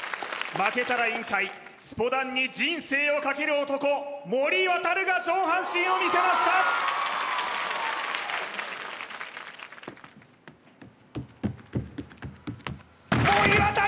負けたら引退スポダンに人生を懸ける男森渉が上半身を見せました森渉！